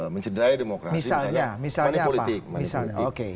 mencederai demokrasi misalnya manipolitik